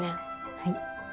はい。